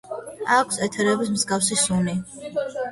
აქვს ეთერების მსგავსი სუნი.